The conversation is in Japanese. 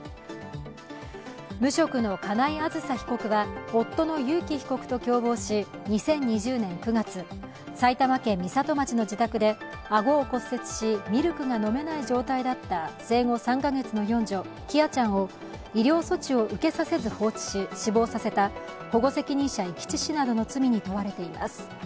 無職の金井あずさ被告は夫の裕喜被告と共謀し、２０２０年９月、埼玉県美里町の自宅で顎を骨折しミルクが飲めない状態だった生後３か月の四女・喜空ちゃんを医療措置を受けさせず放置し死亡させた保護責任者遺棄致死の罪に問われています。